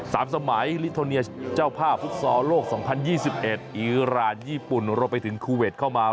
สามสมัยลิทรโนเนียเจ้าผ้าฟุตซอร์โลก๒๐๒๑อิราณญี่ปุ่นรวมไปถึงคูเวทเข้ามา